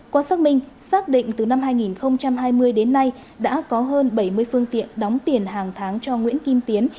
qua xác minh xác định từ năm hai nghìn hai mươi đến nay đã có hơn bảy mươi phương tiện đóng tiền hàng tháng cho nguyễn kim tiến